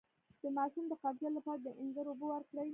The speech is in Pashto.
د ماشوم د قبضیت لپاره د انځر اوبه ورکړئ